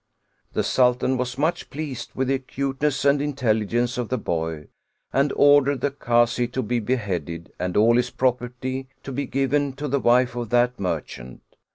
The Sultan was much pleased with the acuteness and intelligence of the boy, and ordered the Kazi to be beheaded and all his property to be given to 195 Oriental Mystery Stories the wife of that merchant.